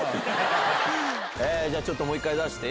ちょっともう１回出して。